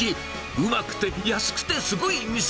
うまくて安くてスゴい店。